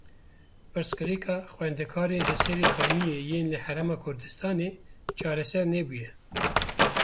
Pirsgirêka xwendekarên ji Serê Kaniyê yên li Herêma Kurdistanê çareser nebûye.